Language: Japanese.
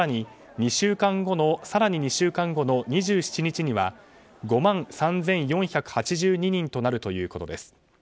更に２週間後の２７日には５万３４８２人となるということです。